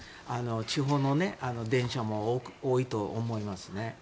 地方の電車も多いと思いますね。